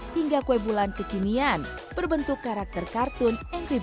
hingga kue bulan kekinian berbentuk karakter kartun